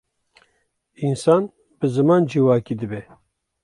Însan bi ziman civakî dibe.